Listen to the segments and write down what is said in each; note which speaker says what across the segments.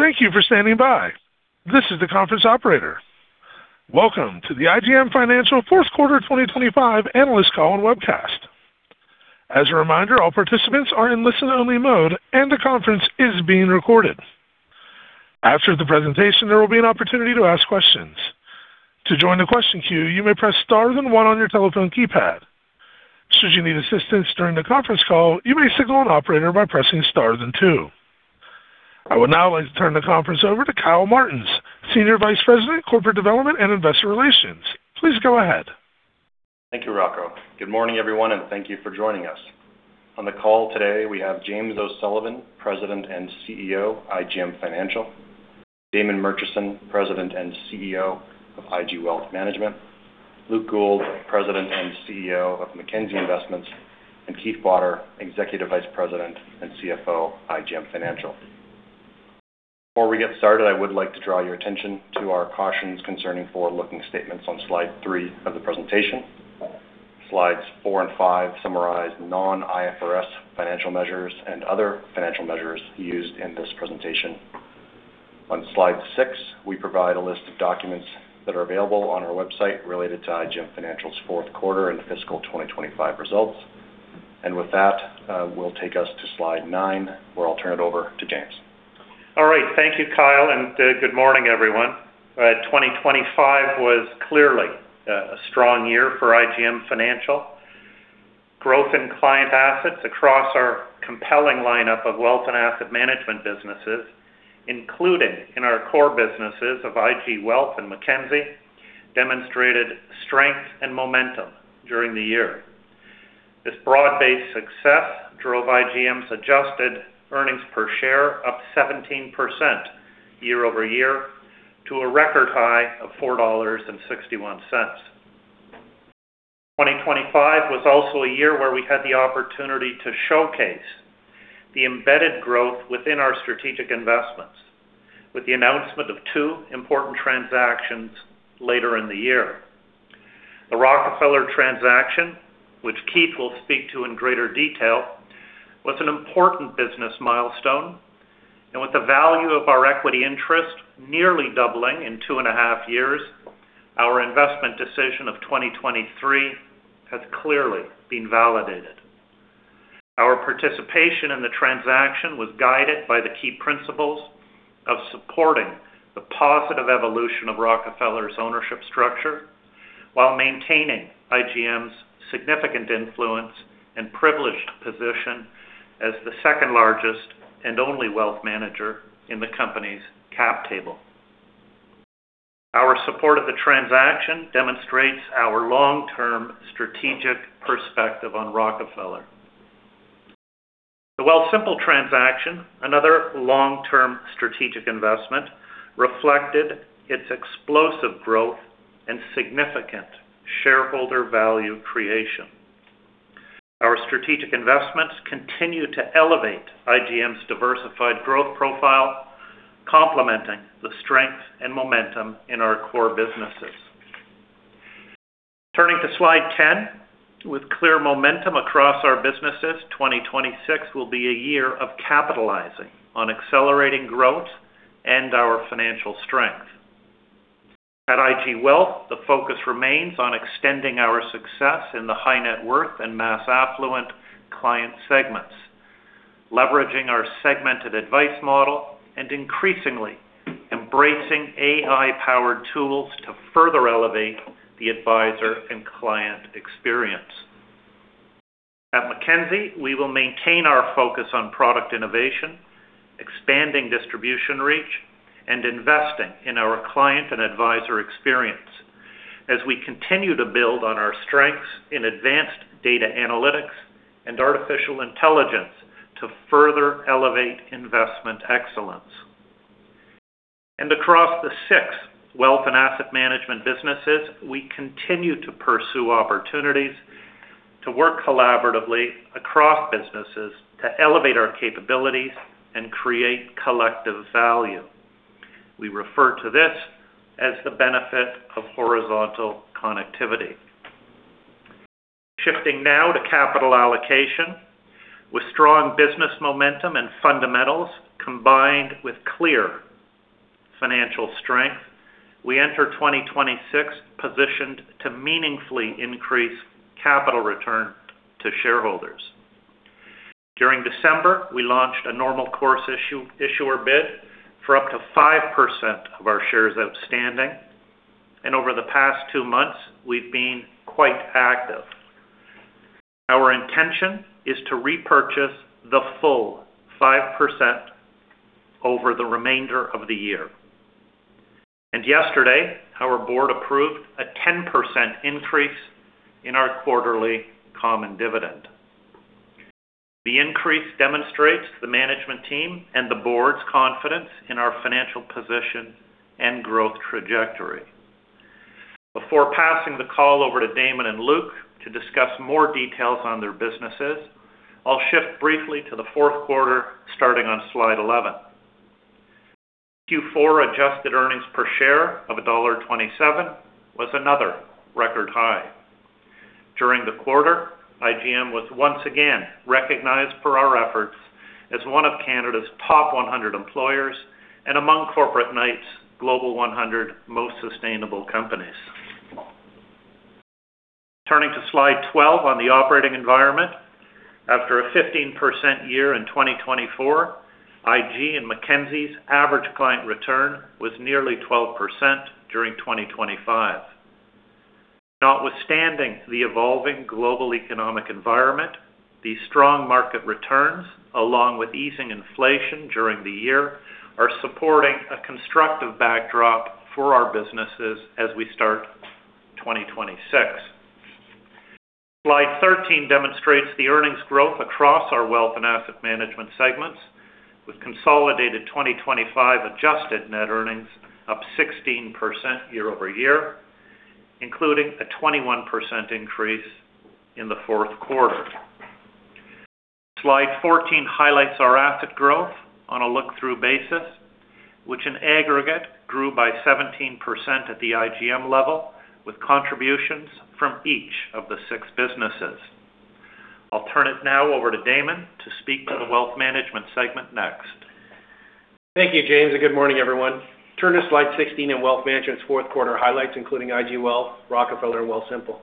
Speaker 1: Thank you for standing by. This is the conference operator. Welcome to the IGM Financial Fourth Quarter 2025 Analyst Call and Webcast. As a reminder, all participants are in listen-only mode, and the conference is being recorded. After the presentation, there will be an opportunity to ask questions. To join the question queue, you may press star then one on your telephone keypad. Should you need assistance during the conference call, you may signal an operator by pressing star then two. I would now like to turn the conference over to Kyle Martens, Senior Vice President, Corporate Development and Investor Relations. Please go ahead.
Speaker 2: Thank you, Rocco. Good morning, everyone, and thank you for joining us. On the call today, we have James O'Sullivan, President and CEO, IGM Financial, Damon Murchison, President and CEO of IG Wealth Management, Luke Gould, President and CEO of Mackenzie Investments, and Keith Potter, Executive Vice President and CFO, IGM Financial. Before we get started, I would like to draw your attention to our cautions concerning forward-looking statements on slide three of the presentation. Slides four and five summarize non-IFRS financial measures and other financial measures used in this presentation. On slide six, we provide a list of documents that are available on our website related to IGM Financial's fourth quarter and fiscal 2025 results. And with that, we'll take us to slide nine, where I'll turn it over to James.
Speaker 3: All right. Thank you, Kyle, and good morning, everyone. 2025 was clearly a strong year for IGM Financial. Growth in client assets across our compelling lineup of wealth and Asset Management businesses, including in our core businesses of IG Wealth and Mackenzie, demonstrated strength and momentum during the year. This broad-based success drove IGM's adjusted earnings per share up 17% year-over-year, to a record high of 4.61 dollars. 2025 was also a year where we had the opportunity to showcase the embedded growth within our strategic investments, with the announcement of two important transactions later in the year. The Rockefeller transaction, which Keith will speak to in greater detail, was an important business milestone, and with the value of our equity interest nearly doubling in two and a half years, our investment decision of 2023 has clearly been validated. Our participation in the transaction was guided by the key principles of supporting the positive evolution of Rockefeller's ownership structure, while maintaining IGM's significant influence and privileged position as the second-largest and only wealth manager in the company's cap table. Our support of the transaction demonstrates our long-term strategic perspective on Rockefeller. The Wealthsimple transaction, another long-term strategic investment, reflected its explosive growth and significant shareholder value creation. Our strategic investments continue to elevate IGM's diversified growth profile, complementing the strength and momentum in our core businesses. Turning to slide 10, with clear momentum across our businesses, 2026 will be a year of capitalizing on accelerating growth and our financial strength. At IG Wealth, the focus remains on extending our success in the high net worth and mass affluent client segments, leveraging our segmented advice model and increasingly embracing AI-powered tools to further elevate the advisor and client experience. At Mackenzie, we will maintain our focus on product innovation, expanding distribution reach, and investing in our client and advisor experience as we continue to build on our strengths in advanced data analytics and artificial intelligence to further elevate investment excellence. And across the six wealth and Asset Management businesses, we continue to pursue opportunities to work collaboratively across businesses to elevate our capabilities and create collective value. We refer to this as the benefit of horizontal connectivity. Shifting now to capital allocation. With strong business momentum and fundamentals, combined with clear financial strength, we enter 2026 positioned to meaningfully increase capital return to shareholders. During December, we launched a normal course issuer bid for up to 5% of our shares outstanding, and over the past two months, we've been quite active. Our intention is to repurchase the full 5% over the remainder of the year. Yesterday, our board approved a 10% increase in our quarterly common dividend. The increase demonstrates the management team and the board's confidence in our financial position and growth trajectory. Before passing the call over to Damon and Luke to discuss more details on their businesses, I'll shift briefly to the fourth quarter, starting on slide 11. Q4 adjusted earnings per share of dollar 1.27 was another record high. During the quarter, IGM was once again recognized for our efforts as one of Canada's top 100 employers and among Corporate Knights Global 100 Most Sustainable Companies. Turning to slide 12 on the operating environment, after a 15% year in 2024, IG and Mackenzie's average client return was nearly 12% during 2025. Notwithstanding the evolving global economic environment, the strong market returns, along with easing inflation during the year, are supporting a constructive backdrop for our businesses as we start 2026. Slide 13 demonstrates the earnings growth across our wealth and Asset Management segments, with consolidated 2025 adjusted net earnings up 16% year-over-year, including a 21% increase in the fourth quarter. Slide 14 highlights our asset growth on a look-through basis, which in aggregate grew by 17% at the IGM level, with contributions from each of the six businesses. I'll turn it now over to Damon to speak to the Wealth Management segment next.
Speaker 4: Thank you, James, and good morning, everyone. Turn to slide 16 in Wealth Management's fourth quarter highlights, including IG Wealth, Rockefeller, and Wealthsimple.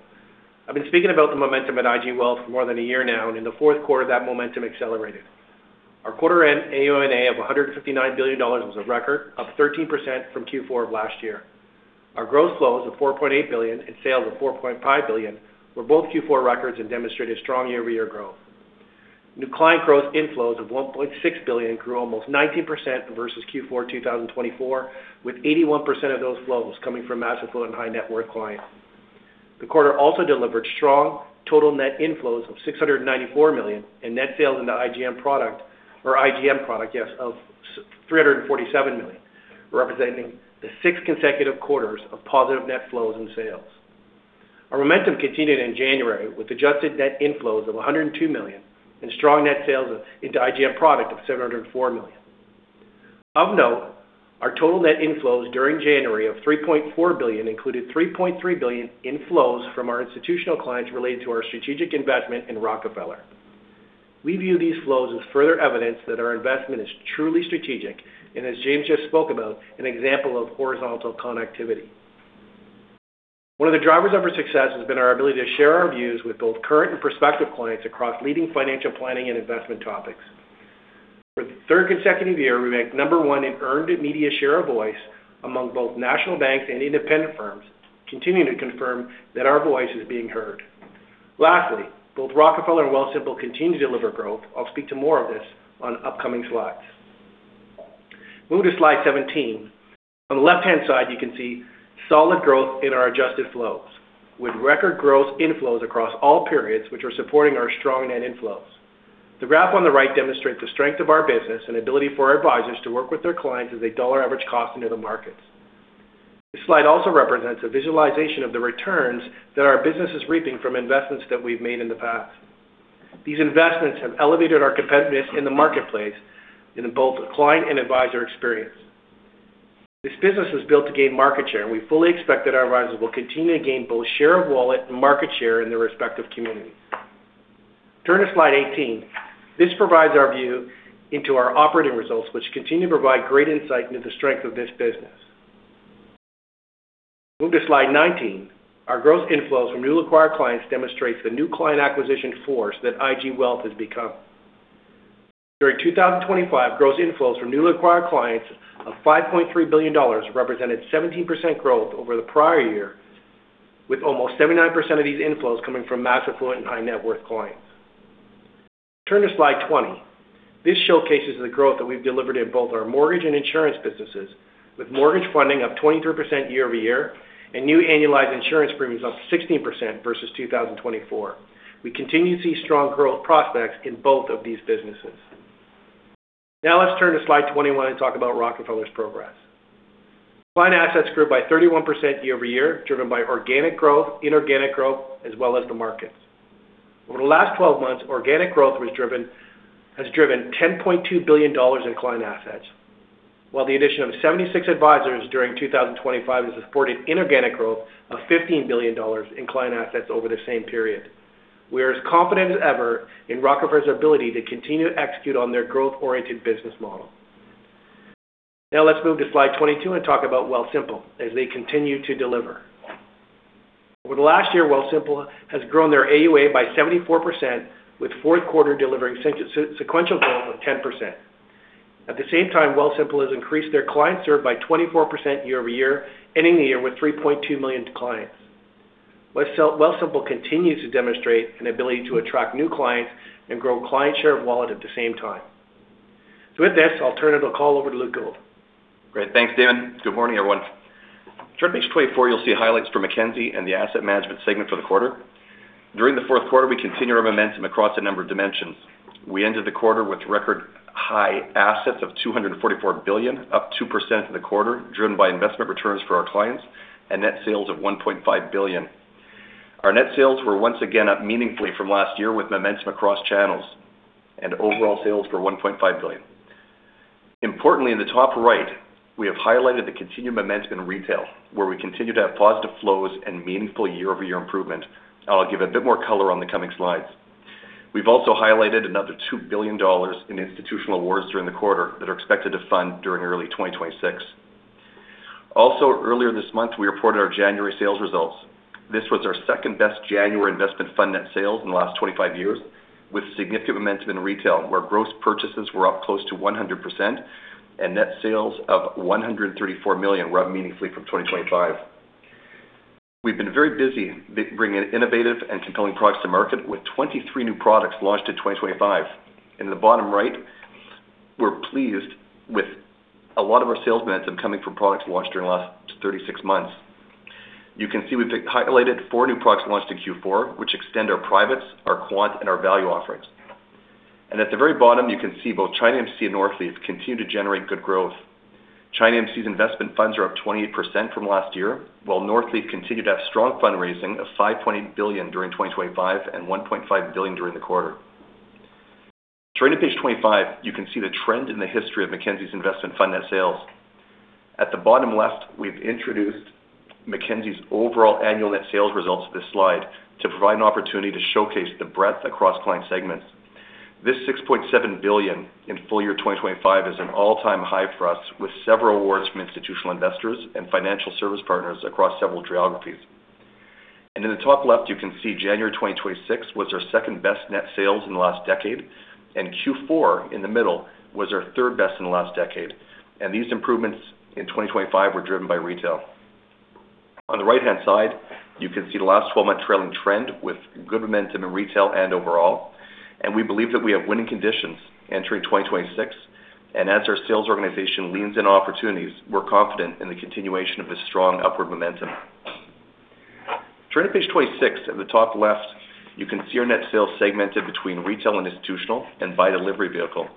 Speaker 4: I've been speaking about the momentum at IG Wealth for more than a year now, and in the fourth quarter, that momentum accelerated. Our quarter end AUMA of 159 billion dollars was a record, up 13% from Q4 of last year. Our gross flows of 4.8 billion and sales of 4.5 billion were both Q4 records and demonstrated strong year-over-year growth. New client growth inflows of 1.6 billion grew almost 19% versus Q4 2024, with 81% of those flows coming from mass affluent and high net worth clients. The quarter also delivered strong total net inflows of 694 million, and net sales into IGM product-- or IGM product, yes, of 347 million, representing the six consecutive quarters of positive net flows and sales. Our momentum continued in January, with adjusted net inflows of 102 million and strong net sales into IGM product of 704 million. Of note, our total net inflows during January of 3.4 billion included 3.3 billion in flows from our institutional clients related to our strategic investment in Rockefeller. We view these flows as further evidence that our investment is truly strategic, and as James just spoke about, an example of horizontal connectivity. One of the drivers of our success has been our ability to share our views with both current and prospective clients across leading financial planning and investment topics. For the third consecutive year, we ranked number one in earned media share of voice among both national banks and independent firms, continuing to confirm that our voice is being heard. Lastly, both Rockefeller and Wealthsimple continue to deliver growth. I'll speak to more of this on upcoming slides. Moving to slide 17. On the left-hand side, you can see solid growth in our adjusted flows, with record growth inflows across all periods, which are supporting our strong net inflows. The graph on the right demonstrates the strength of our business and ability for our advisors to work with their clients as they dollar-cost average into the markets. This slide also represents a visualization of the returns that our business is reaping from investments that we've made in the past. These investments have elevated our competitiveness in the marketplace in both client and advisor experience. This business was built to gain market share, and we fully expect that our advisors will continue to gain both share of wallet and market share in their respective communities. Turn to slide 18. This provides our view into our operating results, which continue to provide great insight into the strength of this business. Move to slide 19. Our growth inflows from new acquired clients demonstrates the new client acquisition force that IG Wealth has become. During 2025, gross inflows from newly acquired clients of 5.3 billion dollars represented 17% growth over the prior year, with almost 79% of these inflows coming from mass affluent and high net worth clients. Turn to Slide 20. This showcases the growth that we've delivered in both our mortgage and insurance businesses, with mortgage funding up 23% year-over-year and new annualized insurance premiums up 16% versus 2024. We continue to see strong growth prospects in both of these businesses. Now, let's turn to slide 21 and talk about Rockefeller's progress. Client assets grew by 31% year-over-year, driven by organic growth, inorganic growth, as well as the markets. Over the last 12 months, organic growth was driven—has driven $10.2 billion in client assets, while the addition of 76 advisors during 2025 has supported inorganic growth of $15 billion in client assets over the same period. We are as confident as ever in Rockefeller's ability to continue to execute on their growth-oriented business model. Now, let's move to slide 22 and talk about Wealthsimple as they continue to deliver. Over the last year, Wealthsimple has grown their AUA by 74%, with fourth quarter delivering sequential growth of 10%. At the same time, Wealthsimple has increased their clients served by 24% year-over-year, ending the year with 3.2 million clients. Wealthsimple continues to demonstrate an ability to attract new clients and grow client share of wallet at the same time. With this, I'll turn the call over to Luke Gould.
Speaker 5: Great. Thanks, Damon. Good morning, everyone. Turn to page 24, you'll see highlights for Mackenzie and the Asset Management segment for the quarter. During the fourth quarter, we continued our momentum across a number of dimensions. We ended the quarter with record-high assets of 244 billion, up 2% in the quarter, driven by investment returns for our clients and net sales of 1.5 billion. Our net sales were once again up meaningfully from last year, with momentum across channels and overall sales for 1.5 billion. Importantly, in the top right, we have highlighted the continued momentum in retail, where we continue to have positive flows and meaningful year-over-year improvement. I'll give a bit more color on the coming slides. We've also highlighted another 2 billion dollars in institutional awards during the quarter that are expected to fund during early 2026. Also, earlier this month, we reported our January sales results. This was our second-best January investment fund net sales in the last 25 years, with significant momentum in retail, where gross purchases were up close to 100% and net sales of 134 million were up meaningfully from 2025. We've been very busy bringing innovative and compelling products to market, with 23 new products launched in 2025. In the bottom right, we're pleased with a lot of our sales momentum coming from products launched during the last 36 months. You can see we've highlighted four new products launched in Q4, which extend our privates, our quant, and our value offerings. At the very bottom, you can see both China AMC and Northleaf continue to generate good growth. China AMC's investment funds are up 28% from last year, while Northleaf continued to have strong fundraising of 5.8 billion during 2025 and 1.5 billion during the quarter. Turning to page 25, you can see the trend in the history of Mackenzie's investment fund net sales. At the bottom left, we've introduced Mackenzie's overall annual net sales results to this slide to provide an opportunity to showcase the breadth across client segments. This 6.7 billion in full year 2025 is an all-time high for us, with several awards from institutional investors and financial service partners across several geographies. In the top left, you can see January 2026 was our second-best net sales in the last decade, and Q4, in the middle, was our third best in the last decade. These improvements in 2025 were driven by retail. On the right-hand side, you can see the last 12-month trailing trend with good momentum in retail and overall, and we believe that we have winning conditions entering 2026. As our sales organization leans in on opportunities, we're confident in the continuation of this strong upward momentum. Turning to page 26, at the top left, you can see our net sales segmented between retail and institutional and by delivery vehicle.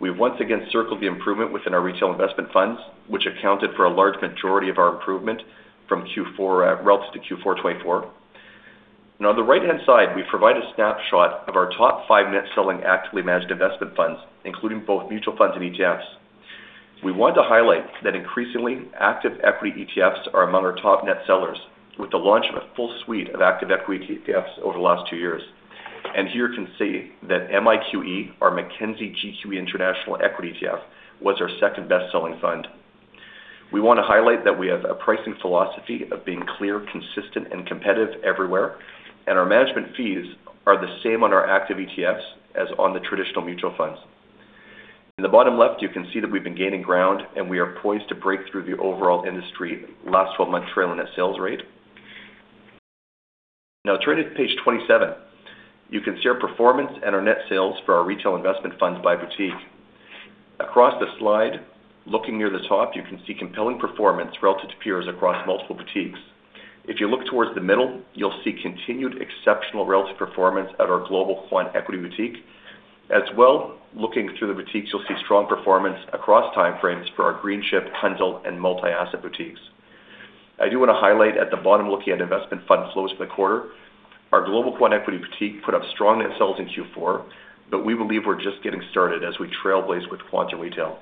Speaker 5: We've once again circled the improvement within our retail investment funds, which accounted for a large majority of our improvement from Q4 relative to Q4 2024. Now, on the right-hand side, we provide a snapshot of our top five net selling actively managed investment funds, including both mutual funds and ETFs. We want to highlight that increasingly active equity ETFs are among our top net sellers, with the launch of a full suite of active equity ETFs over the last two years. And here you can see that MIQE, our Mackenzie GQE International Equity ETF, was our second best-selling fund. We want to highlight that we have a pricing philosophy of being clear, consistent, and competitive everywhere, and our management fees are the same on our active ETFs as on the traditional mutual funds. In the bottom left, you can see that we've been gaining ground, and we are poised to break through the overall industry last 12-month trailing net sales rate. Now turning to page 27, you can see our performance and our net sales for our retail investment funds by boutique. Across the slide, looking near the top, you can see compelling performance relative to peers across multiple boutiques. If you look towards the middle, you'll see continued exceptional relative performance at our global quant equity boutique. As well, looking through the boutiques, you'll see strong performance across time frames for our Greenchip, Cundill, and multi-asset boutiques. I do want to highlight at the bottom, looking at investment fund flows for the quarter. Our global quant equity boutique put up strong net sales in Q4, but we believe we're just getting started as we trailblaze with quant retail.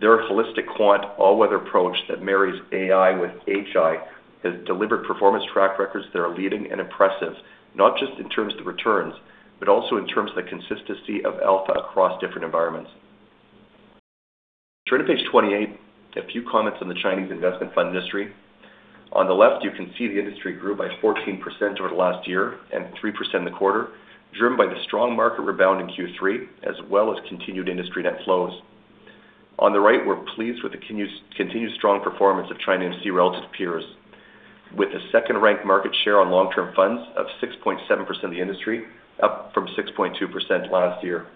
Speaker 5: Their holistic quant all-weather approach that marries AI with HI has delivered performance track records that are leading and impressive, not just in terms of the returns, but also in terms of the consistency of alpha across different environments. Turning to page 28, a few comments on the Chinese investment fund industry. On the left, you can see the industry grew by 14% over the last year and 3% in the quarter, driven by the strong market rebound in Q3, as well as continued industry net flows. On the right, we're pleased with the continued strong performance of China AMC relative to peers, with a second-ranked market share on long-term funds of 6.7% of the industry, up from 6.2% last year.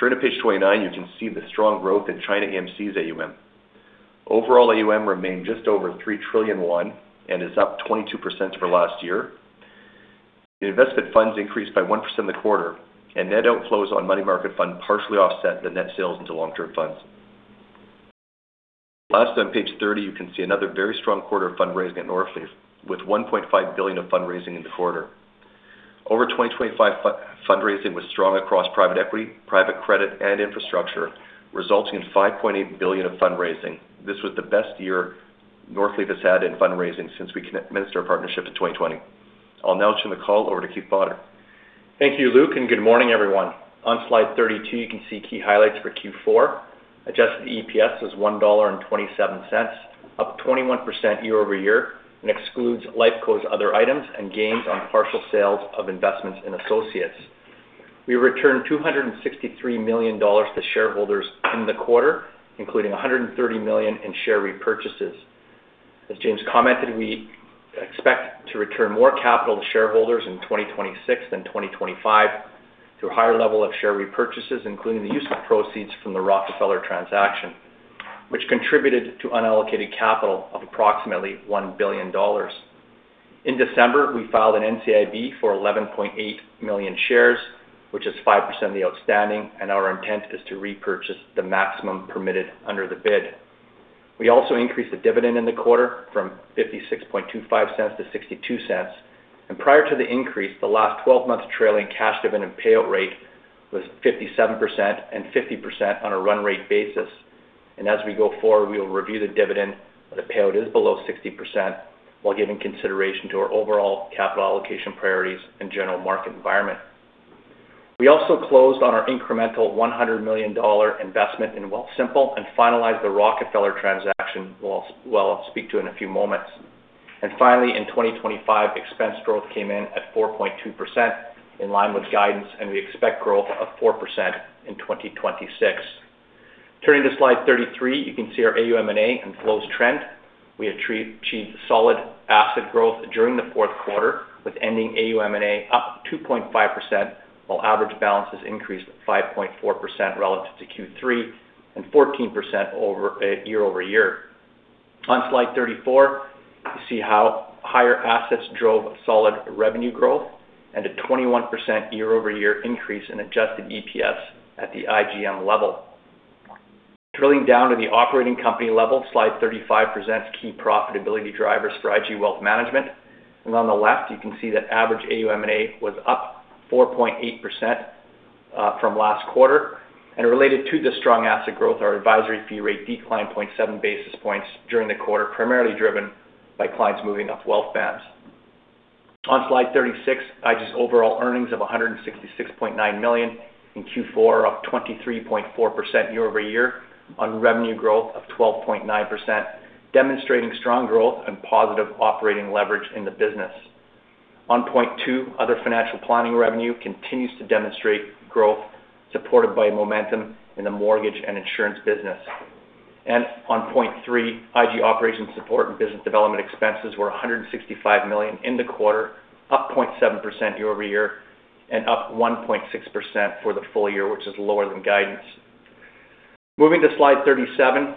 Speaker 5: Turning to page 29, you can see the strong growth in China AMC's AUM. Overall, AUM remained just over 3 trillion and is up 22% over last year. Investment funds increased by 1% in the quarter, and net outflows on money market fund partially offset the net sales into long-term funds. Last, on page 30, you can see another very strong quarter of fundraising at Northleaf, with 1.5 billion of fundraising in the quarter. Over 2025, fundraising was strong across private equity, private credit, and infrastructure, resulting in 5.8 billion of fundraising. This was the best year Northleaf has had in fundraising since we commenced our partnership in 2020. I'll now turn the call over to Keith Potter.
Speaker 6: Thank you, Luke, and good morning, everyone. On slide 32, you can see key highlights for Q4. Adjusted EPS is 1.27 dollar, up 21% year-over-year, and excludes Lifeco's other items and gains on partial sales of investments in associates. We returned 263 million dollars to shareholders in the quarter, including 130 million in share repurchases. As James commented, we expect to return more capital to shareholders in 2026 than 2025 through a higher level of share repurchases, including the use of proceeds from the Rockefeller transaction, which contributed to unallocated capital of approximately 1 billion dollars. In December, we filed an NCIB for 11.8 million shares, which is 5% of the outstanding, and our intent is to repurchase the maximum permitted under the bid.... We also increased the dividend in the quarter from 0.5625-0.62. Prior to the increase, the last twelve months trailing cash dividend payout rate was 57% and 50% on a run rate basis. As we go forward, we will review the dividend if the payout is below 60%, while giving consideration to our overall capital allocation priorities and general market environment. We also closed on our incremental 100 million dollar investment in Wealthsimple and finalized the Rockefeller transaction, I'll speak to in a few moments. Finally, in 2025, expense growth came in at 4.2%, in line with guidance, and we expect growth of 4% in 2026. Turning to slide 33, you can see our AUM and AUA inflows trend. We achieved solid asset growth during the fourth quarter, with ending AUM and AUA up 2.5%, while average balances increased 5.4% relative to Q3 and 14% over year over year. On slide 34, you see how higher assets drove solid revenue growth and a 21% year-over-year increase in adjusted EPS at the IGM level. Drilling down to the operating company level, slide 35 presents key profitability drivers for IG Wealth Management. And on the left, you can see that average AUM and AUA was up 4.8% from last quarter. And related to this strong asset growth, our advisory fee rate declined 0.7 basis points during the quarter, primarily driven by clients moving off wealth bands. On slide 36, IG's overall earnings of 166.9 million in Q4 are up 23.4% year-over-year on revenue growth of 12.9%, demonstrating strong growth and positive operating leverage in the business. On point two, other financial planning revenue continues to demonstrate growth, supported by momentum in the mortgage and insurance business. And on point three, IG operations support and business development expenses were 165 million in the quarter, up 0.7% year-over-year, and up 1.6% for the full year, which is lower than guidance. Moving to slide 37,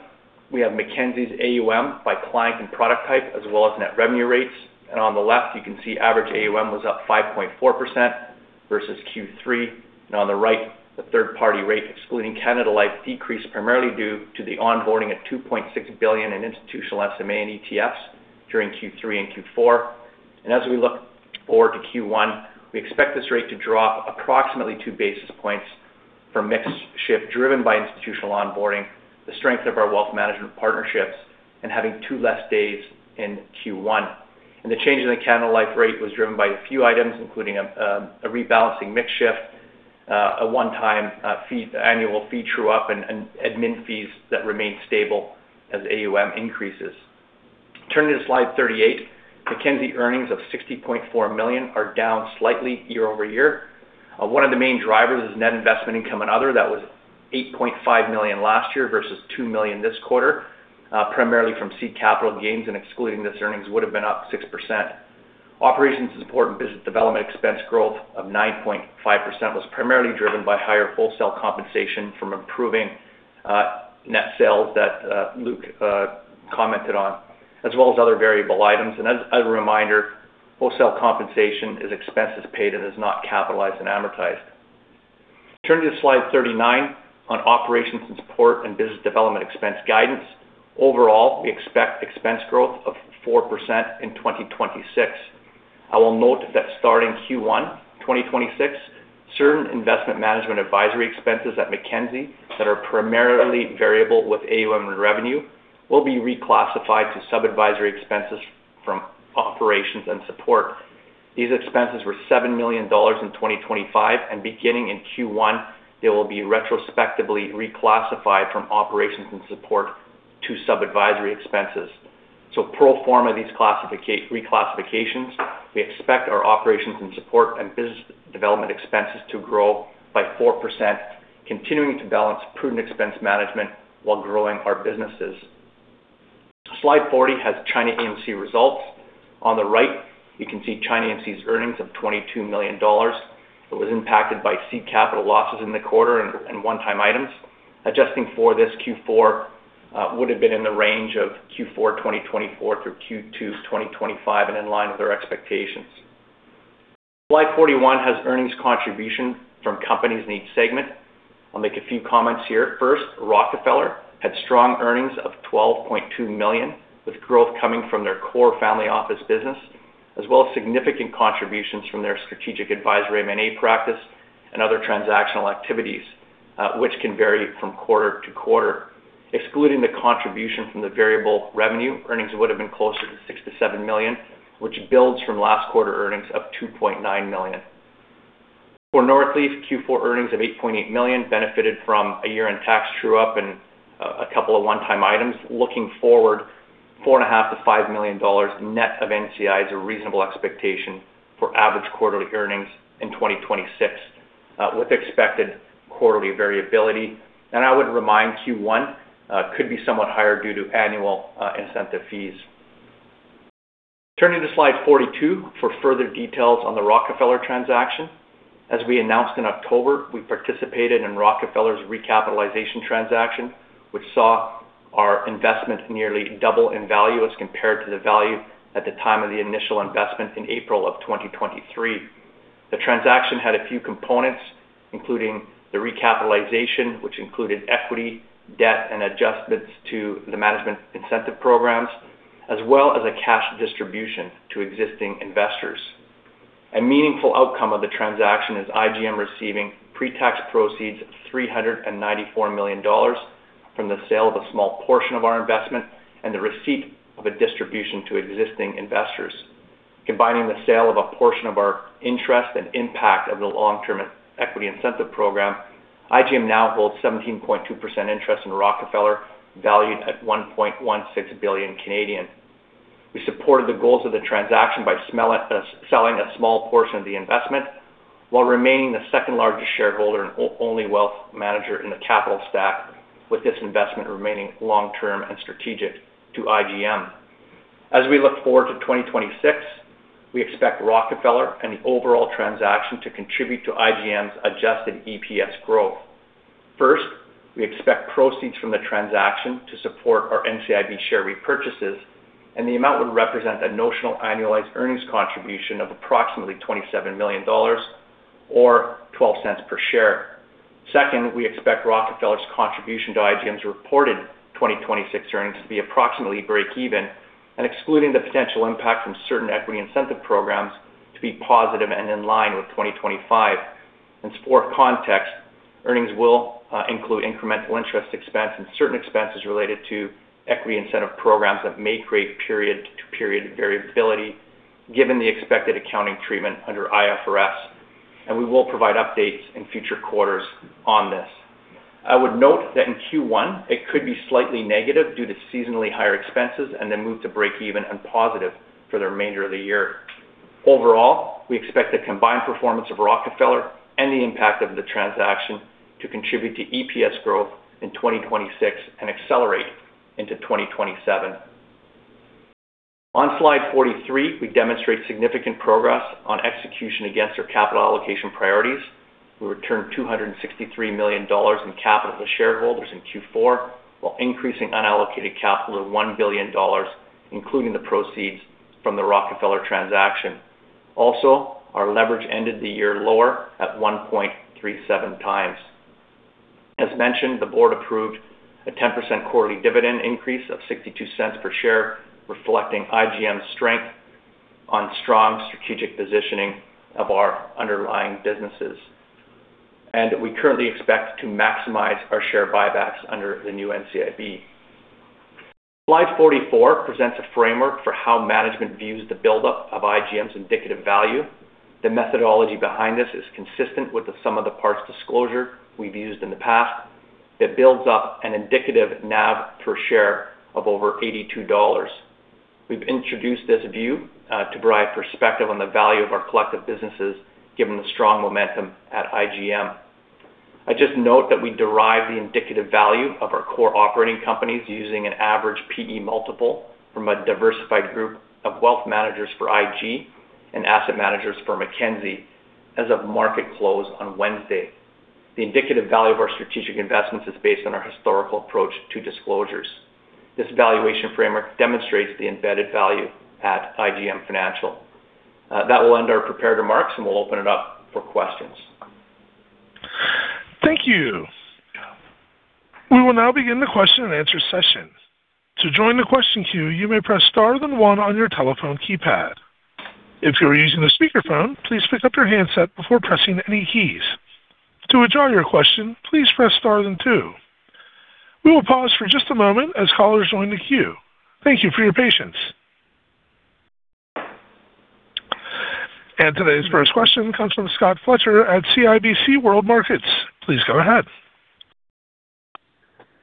Speaker 6: we have Mackenzie's AUM by client and product type, as well as net revenue rates. And on the left, you can see average AUM was up 5.4% versus Q3. On the right, the third-party rate, excluding Canada Life, decreased primarily due to the onboarding of 2.6 billion in institutional SMA and ETFs during Q3 and Q4. As we look forward to Q1, we expect this rate to drop approximately 2 basis points from mix shift, driven by institutional onboarding, the strength of our Wealth Management partnerships, and having two less days in Q1. The change in the Canada Life rate was driven by a few items, including a rebalancing mix shift, a one-time fee, annual fee true up, and admin fees that remain stable as AUM increases. Turning to slide 38, Mackenzie earnings of 60.4 million are down slightly year-over-year. One of the main drivers is net investment income and other. That was 8.5 million last year versus 2 million this quarter, primarily from seed capital gains, and excluding this, earnings would have been up 6%. Operations support and business development expense growth of 9.5% was primarily driven by higher wholesale compensation from improving net sales that Luke commented on, as well as other variable items. And as a reminder, wholesale compensation is expenses paid and is not capitalized and amortized. Turning to slide 39, on operations and support and business development expense guidance. Overall, we expect expense growth of 4% in 2026. I will note that starting Q1 2026, certain investment management advisory expenses at Mackenzie that are primarily variable with AUM and revenue, will be reclassified to sub-advisory expenses from operations and support. These expenses were 7 million dollars in 2025, and beginning in Q1, they will be retrospectively reclassified from operations and support to sub-advisory expenses. So pro forma these reclassifications, we expect our operations and support and business development expenses to grow by 4%, continuing to balance prudent expense management while growing our businesses. Slide 40 has China AMC results. On the right, you can see China AMC's earnings of 22 million dollars. It was impacted by seed capital losses in the quarter and one-time items. Adjusting for this, Q4 would have been in the range of Q4 2024 through Q2 2025, and in line with our expectations. Slide 41 has earnings contribution from companies in each segment. I'll make a few comments here. First, Rockefeller had strong earnings of 12.2 million, with growth coming from their core family office business, as well as significant contributions from their strategic advisory M&A practice and other transactional activities, which can vary from quarter to quarter. Excluding the contribution from the variable revenue, earnings would have been closer to 6 million-7 million, which builds from last quarter earnings of 2.9 million. For Northleaf, Q4 earnings of 8.8 million benefited from a year-end tax true-up and a couple of one-time items. Looking forward, 4.5 million-5 million dollars net of NCI is a reasonable expectation for average quarterly earnings in 2026, with expected quarterly variability. I would remind Q1 could be somewhat higher due to annual incentive fees. Turning to slide 42 for further details on the Rockefeller transaction. As we announced in October, we participated in Rockefeller's recapitalization transaction, which saw our investment nearly double in value as compared to the value at the time of the initial investment in April of 2023. The transaction had a few components, including the recapitalization, which included equity, debt, and adjustments to the management incentive programs, as well as a cash distribution to existing investors. A meaningful outcome of the transaction is IGM receiving pre-tax proceeds of $394 million from the sale of a small portion of our investment, and the receipt of a distribution to existing investors. Combining the sale of a portion of our interest and impact of the long-term equity incentive program, IGM now holds 17.2% interest in Rockefeller, valued at 1.16 billion Canadian. We supported the goals of the transaction by selling a small portion of the investment, while remaining the second-largest shareholder and only wealth manager in the capital stack, with this investment remaining long-term and strategic to IGM. As we look forward to 2026, we expect Rockefeller and the overall transaction to contribute to IGM's adjusted EPS growth. First, we expect proceeds from the transaction to support our NCIB share repurchases, and the amount would represent a notional annualized earnings contribution of approximately 27 million dollars or 0.12 per share. Second, we expect Rockefeller's contribution to IGM's reported 2026 earnings to be approximately break even, and excluding the potential impact from certain equity incentive programs, to be positive and in line with 2025. And for context, earnings will include incremental interest expense and certain expenses related to equity incentive programs that may create period-to-period variability, given the expected accounting treatment under IFRS, and we will provide updates in future quarters on this. I would note that in Q1, it could be slightly negative due to seasonally higher expenses, and then move to break even and positive for the remainder of the year. Overall, we expect the combined performance of Rockefeller and the impact of the transaction to contribute to EPS growth in 2026 and accelerate into 2027. On slide 43, we demonstrate significant progress on execution against our capital allocation priorities. We returned 263 million dollars in capital to shareholders in Q4, while increasing unallocated capital of 1 billion dollars, including the proceeds from the Rockefeller transaction. Our leverage ended the year lower at 1.37x. As mentioned, the board approved a 10% quarterly dividend increase of 0.62 per share, reflecting IGM's strength on strong strategic positioning of our underlying businesses. We currently expect to maximize our share buybacks under the new NCIB. Slide 44 presents a framework for how management views the buildup of IGM's indicative value. The methodology behind this is consistent with the sum of the parts disclosure we've used in the past, that builds up an indicative NAV per share of over 82 dollars. We've introduced this view to provide perspective on the value of our collective businesses, given the strong momentum at IGM. I just note that we derive the indicative value of our core operating companies using an average PE multiple from a diversified group of wealth managers for IG and asset managers for Mackenzie as of market close on Wednesday. The indicative value of our strategic investments is based on our historical approach to disclosures. This valuation framework demonstrates the embedded value at IGM Financial. That will end our prepared remarks, and we'll open it up for questions.
Speaker 1: Thank you. We will now begin the question-and-answer session. To join the question queue, you may press star then one on your telephone keypad. If you are using the speakerphone, please pick up your handset before pressing any keys. To withdraw your question, please press star then two. We will pause for just a moment as callers join the queue. Thank you for your patience. Today's first question comes from Scott Fletcher at CIBC World Markets. Please go ahead.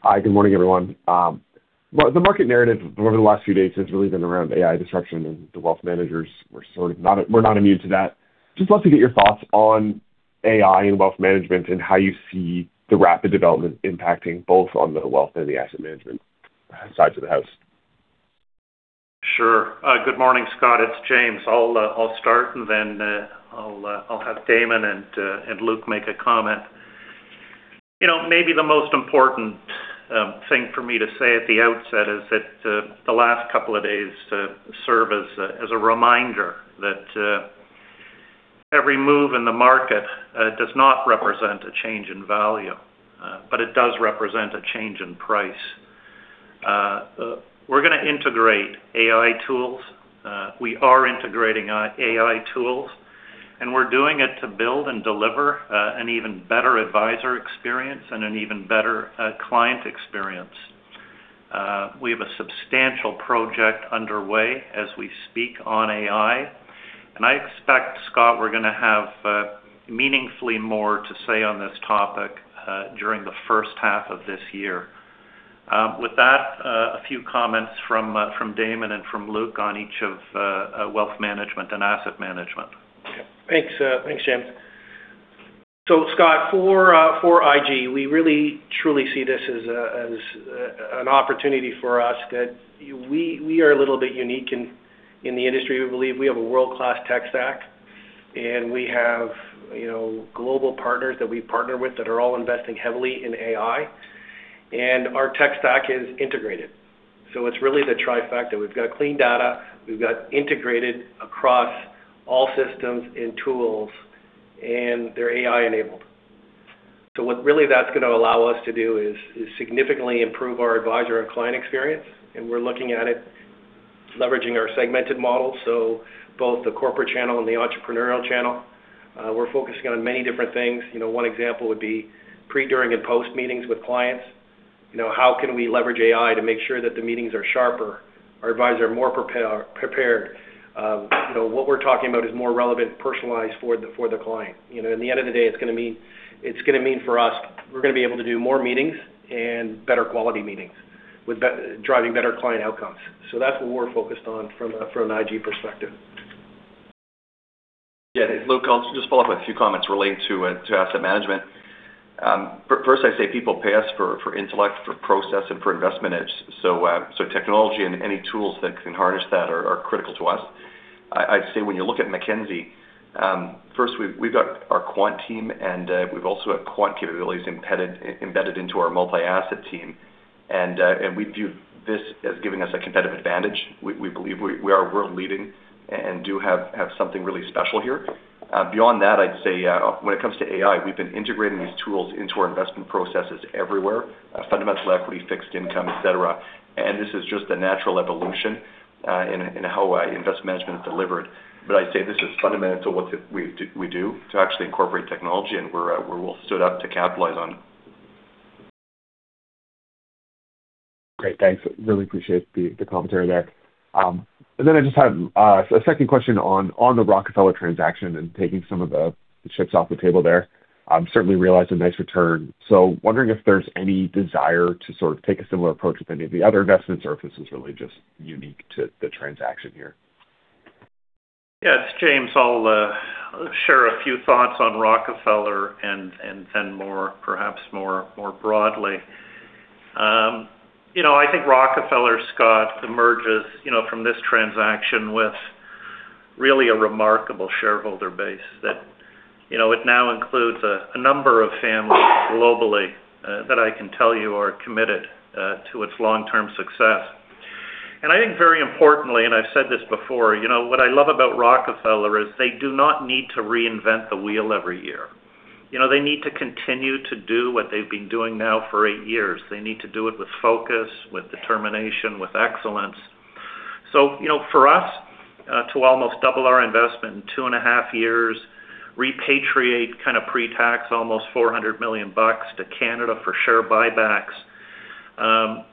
Speaker 7: Hi, good morning, everyone. Well, the market narrative over the last few days has really been around AI disruption, and the wealth managers were not immune to that. Just love to get your thoughts on AI and Wealth Management, and how you see the rapid development impacting both on the wealth and the Asset Management sides of the house.
Speaker 3: Sure. Good morning, Scott, it's James. I'll start, and then I'll have Damon and Luke make a comment. You know, maybe the most important thing for me to say at the outset is that the last couple of days serve as a reminder that every move in the market does not represent a change in value, but it does represent a change in price. We're gonna integrate AI tools. We are integrating AI tools, and we're doing it to build and deliver an even better advisor experience and an even better client experience. We have a substantial project underway as we speak on AI, and I expect, Scott, we're gonna have meaningfully more to say on this topic during the first half of this year. With that, a few comments from Damon and Luke on each of Wealth Management and Asset Management.
Speaker 4: Thanks, thanks, James. So Scott, for, for IG, we really truly see this as a, as, an opportunity for us, that we, we are a little bit unique in, in the industry. We believe we have a world-class tech stack, and we have you know, global partners that we partner with that are all investing heavily in AI, and our tech stack is integrated. So it's really the trifecta. We've got clean data, we've got integrated across all systems and tools, and they're AI-enabled. So what really that's gonna allow us to do is, is significantly improve our advisor and client experience, and we're looking at it leveraging our segmented model. So both the Corporate channel and the Entrepreneurial channel, we're focusing on many different things. You know, one example would be pre, during, and post-meetings with clients. You know, how can we leverage AI to make sure that the meetings are sharper, our advisors are more prepared? You know, what we're talking about is more relevant, personalized for the client. You know, in the end of the day, it's gonna mean for us, we're gonna be able to do more meetings and better quality meetings, with driving better client outcomes. So that's what we're focused on from an IG perspective.
Speaker 5: Yeah, it's Luke. I'll just follow up with a few comments related to Asset Management. First, I'd say people pay us for intellect, for process, and for investment edge. So, technology and any tools that can harness that are critical to us. I'd say when you look at Mackenzie, first, we've got our quant team, and we've also got quant capabilities embedded into our multi-asset team. And we view this as giving us a competitive advantage. We believe we are world-leading and do have something really special here. Beyond that, I'd say when it comes to AI, we've been integrating these tools into our investment processes everywhere, fundamental equity, fixed income, et cetera. This is just a natural evolution in how investment management is delivered. But I'd say this is fundamental to what we do, to actually incorporate technology, and we're well stood up to capitalize on.
Speaker 7: Great, thanks. Really appreciate the commentary there. And then I just had a second question on the Rockefeller transaction and taking some of the chips off the table there. Certainly realized a nice return. So wondering if there's any desire to sort of take a similar approach with any of the other investments, or if this is really just unique to the transaction here?
Speaker 3: Yeah, it's James. I'll share a few thoughts on Rockefeller and then more, perhaps more broadly. You know, I think Rockefeller, Scott, emerges from this transaction with really a remarkable shareholder base that it now includes a number of families globally that I can tell you are committed to its long-term success. And I think very importantly, and I've said this before, you know, what I love about Rockefeller is they do not need to reinvent the wheel every year. You know, they need to continue to do what they've been doing now for eight years. They need to do it with focus, with determination, with excellence. So, you know, for us, to almost double our investment in 2.5 years, repatriate kind of pre-tax, almost $400 million bucks to Canada for share buybacks,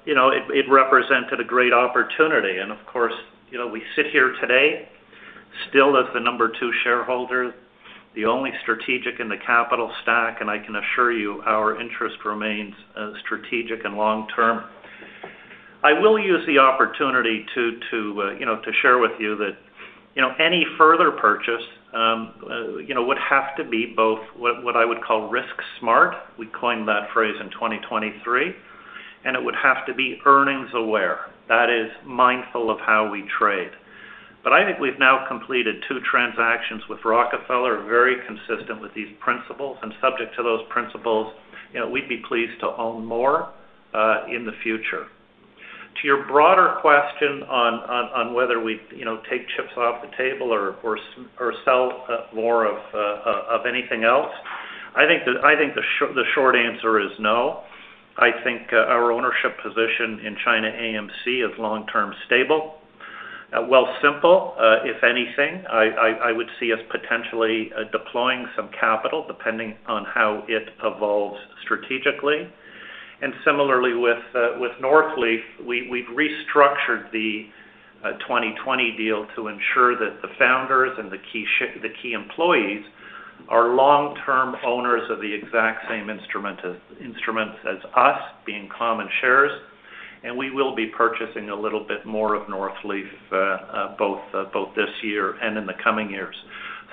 Speaker 3: you know, it represented a great opportunity. And of course, you know, we sit here today still as the number two shareholder, the only strategic in the capital stack, and I can assure you our interest remains, strategic and long term. I will use the opportunity to, you know, to share with you that, you know, any further purchase, you know, would have to be both what I would call risk-smart, we coined that phrase in 2023, and it would have to be earnings aware, that is, mindful of how we trade. But I think we've now completed two transactions with Rockefeller, very consistent with these principles, and subject to those principles, you know, we'd be pleased to own more in the future. To your broader question on whether we, you know, take chips off the table or sell more of anything else, I think the short answer is no. I think our ownership position in China AMC is long-term stable. Well, Wealthsimple, if anything, I would see us potentially deploying some capital, depending on how it evolves strategically. Similarly with Northleaf, we've restructured the 2020 deal to ensure that the founders and the key employees are long-term owners of the exact same instruments as us, being common shares, and we will be purchasing a little bit more of Northleaf, both this year and in the coming years.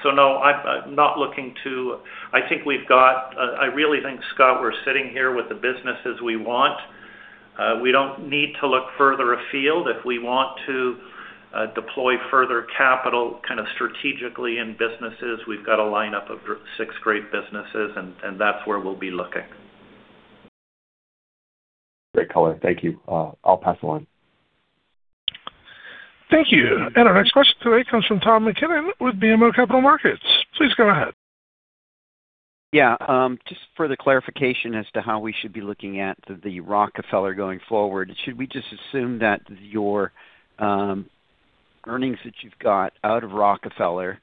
Speaker 3: So no, I'm not looking to... I think we've got, I really think, Scott, we're sitting here with the businesses we want. We don't need to look further afield. If we want to deploy further capital kind of strategically in businesses, we've got a lineup of six great businesses, and that's where we'll be looking.
Speaker 7: Great color. Thank you. I'll pass along.
Speaker 1: Thank you. Our next question today comes from Tom MacKinnon with BMO Capital Markets. Please go ahead.
Speaker 8: Yeah, just further clarification as to how we should be looking at the Rockefeller going forward. Should we just assume that your, earnings that you've got out of Rockefeller,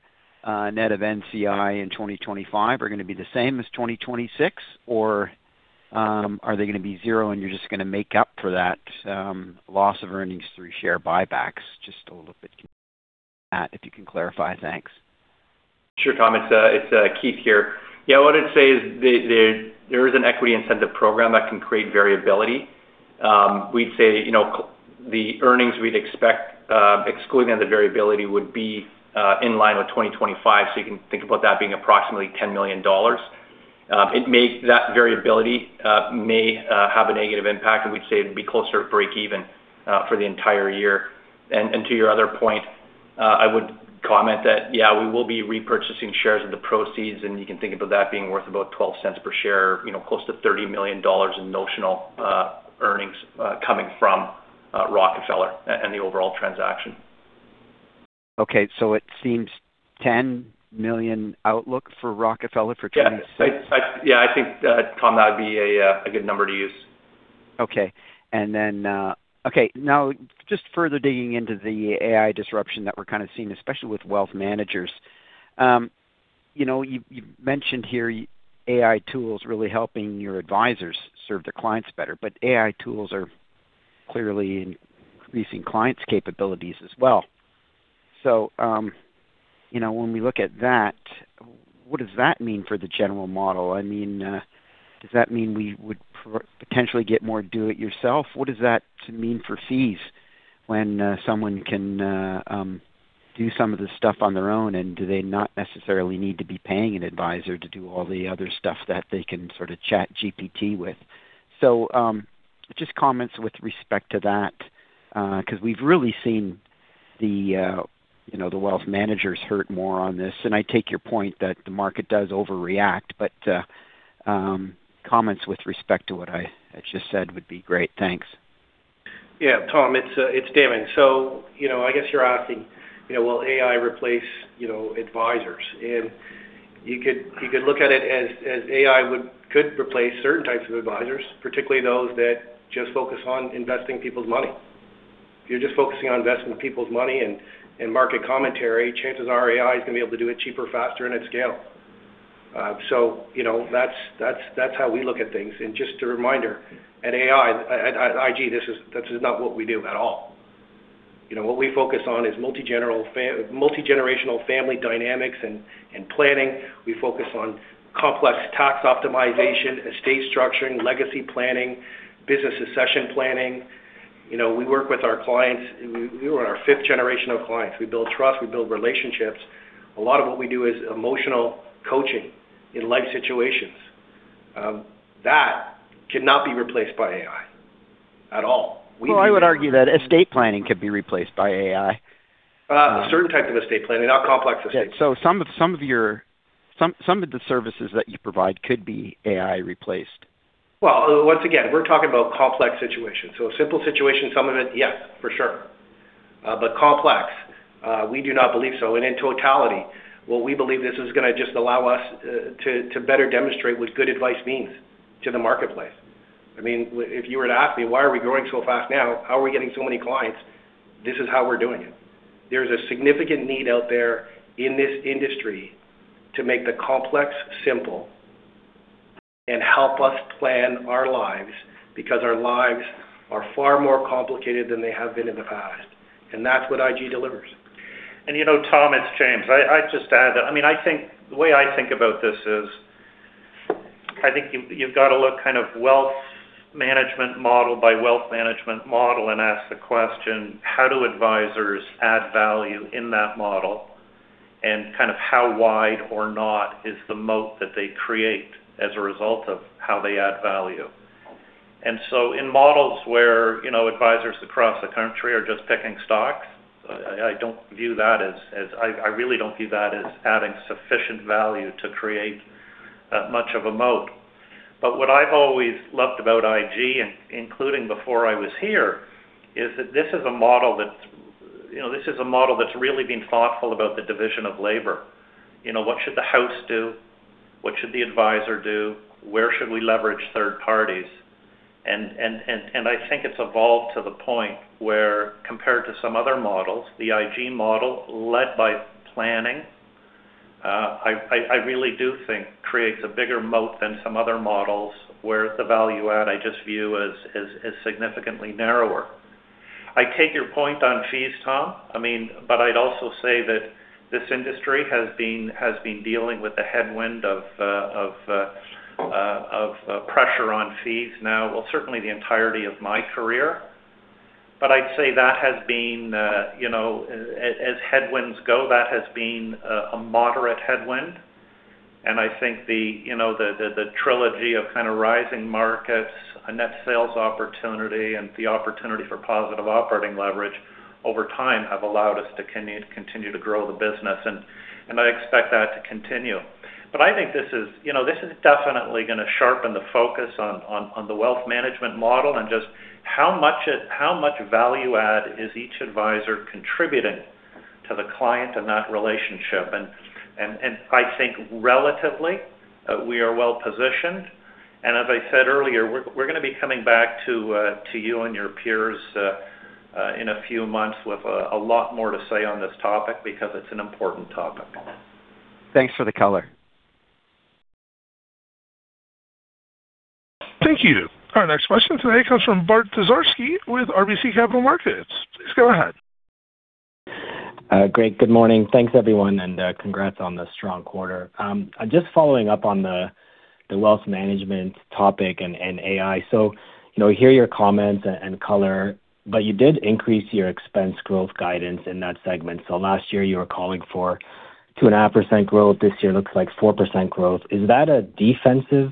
Speaker 8: net of NCI in 2025, are gonna be the same as 2026? Or, are they gonna be zero, and you're just gonna make up for that, loss of earnings through share buybacks? Just a little bit, if you can clarify. Thanks.
Speaker 6: Sure, Tom. It's, Keith here. Yeah, what I'd say is, there is an equity incentive program that can create variability. We'd say, you know, the earnings we'd expect, excluding the variability, would be, in line with 2025. So you can think about that being approximately $10 million. It may, that variability may have a negative impact, and we'd say it'd be closer to breakeven for the entire year. And to your other point, I would comment that, yeah, we will be repurchasing shares of the proceeds, and you can think about that being worth about 0.12 per share, you know, close to 30 million dollars in notional earnings coming from Rockefeller and the overall transaction.
Speaker 8: Okay, so it seems $10 million outlook for Rockefeller for 2026?
Speaker 6: Yeah, yeah, I think, Tom, that would be a good number to use.
Speaker 8: Okay. And then, okay, now just further digging into the AI disruption that we're kind of seeing, especially with wealth managers. You know, you mentioned here, AI tools really helping your advisors serve their clients better. But AI tools are clearly increasing clients' capabilities as well. So, you know, when we look at that, what does that mean for the general model? I mean, does that mean we would potentially get more do-it-yourself? What does that mean for fees when someone can do some of this stuff on their own? And do they not necessarily need to be paying an advisor to do all the other stuff that they can sort of ChatGPT with? So, just comments with respect to that, because we've really seen the you know, the wealth managers hurt more on this. I take your point that the market does overreact, but comments with respect to what I just said would be great. Thanks.
Speaker 4: Yeah, Tom, it's Damon. So, you know, I guess you're asking, you know, will AI replace, you know, advisors? And you could look at it as AI could replace certain types of advisors, particularly those that just focus on investing people's money. If you're just focusing on investing people's money and market commentary, chances are AI is going to be able to do it cheaper, faster, and at scale. So you know, that's how we look at things. And just a reminder, at IG, this is not what we do at all. You know, what we focus on is multigenerational family dynamics and planning. We focus on complex tax optimization, estate structuring, legacy planning, business succession planning. You know, we work with our clients. We were on our fifth generation of clients. We build trust, we build relationships. A lot of what we do is emotional coaching in life situations. That cannot be replaced by AI at all. We-
Speaker 8: Well, I would argue that estate planning could be replaced by AI.
Speaker 4: Certain types of estate planning, not complex estate.
Speaker 8: So some of the services that you provide could be AI replaced.
Speaker 4: Well, once again, we're talking about complex situations. So a simple situation, some of it, yes, for sure. But complex, we do not believe so. And in totality, what we believe this is going to just allow us to better demonstrate what good advice means to the marketplace. I mean, if you were to ask me, "Why are we growing so fast now? How are we getting so many clients?" This is how we're doing it. There's a significant need out there in this industry to make the complex simple and help us plan our lives, because our lives are far more complicated than they have been in the past, and that's what IG delivers.
Speaker 3: You know, Tom, it's James. I'd just add that. I mean, the way I think about this is, I think you've got to look kind of Wealth Management model by Wealth Management model and ask the question: How do advisors add value in that model? And kind of how wide or not is the moat that they create as a result of how they add value. And so in models where, you know, advisors across the country are just picking stocks, I don't view that as... I really don't view that as adding sufficient value to create much of a moat. But what I've always loved about IG, and including before I was here, is that this is a model that's, you know, this is a model that's really been thoughtful about the division of labor. You know, what should the house do? What should the advisor do? Where should we leverage third parties? And I think it's evolved to the point where, compared to some other models, the IG model, led by planning, I really do think creates a bigger moat than some other models, where the value add I just view as significantly narrower. I take your point on fees, Tom. I mean, but I'd also say that this industry has been dealing with the headwind of pressure on fees now. Well, certainly the entirety of my career. But I'd say that has been, you know, as headwinds go, a moderate headwind. And I think the, you know, the trilogy of kind of rising markets, a net sales opportunity, and the opportunity for positive operating leverage over time, have allowed us to continue to grow the business. And I expect that to continue. But I think this is, you know, this is definitely going to sharpen the focus on the Wealth Management model and just how much it, how much value add is each advisor contributing to the client in that relationship. And I think relatively, we are well positioned. And as I said earlier, we're going to be coming back to you and your peers in a few months with a lot more to say on this topic, because it's an important topic.
Speaker 8: Thanks for the color.
Speaker 1: Thank you. Our next question today comes from Bart Dziarski with RBC Capital Markets. Please go ahead.
Speaker 9: Great. Good morning. Thanks, everyone, and congrats on the strong quarter. I'm just following up on the Wealth Management topic and AI. So, you know, we hear your comments and color, but you did increase your expense growth guidance in that segment. So last year, you were calling for 2.5% growth. This year, it looks like 4% growth. Is that a defensive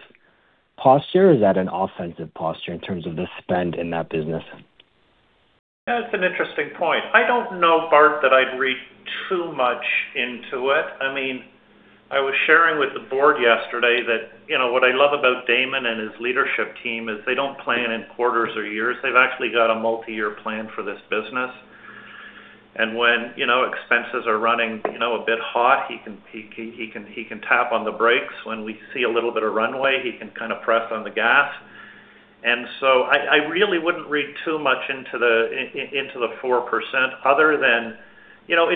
Speaker 9: posture or is that an offensive posture in terms of the spend in that business?
Speaker 3: That's an interesting point. I don't know, Bart, that I'd read too much into it. I mean, I was sharing with the board yesterday that, you know, what I love about Damon and his leadership team is they don't plan in quarters or years. They've actually got a multi-year plan for this business. And when, you know, expenses are running, you know, a bit hot, he can, he can, he can tap on the brakes. When we see a little bit of runway, he can kind of press on the gas. And so I, I really wouldn't read too much into the, in- into the 4% other than, you know,